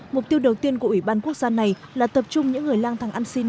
mục tiêu đầu tiên của ủy ban quốc gia này là tập trung những người lang thang ăn xin